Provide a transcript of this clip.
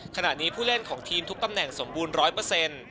ขณะนี้ผู้เล่นของทีมทุกตำแหน่งสมบูรณ์๑๐๐